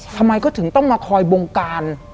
ทำไมเขาถึงต้องมาคอยบงการ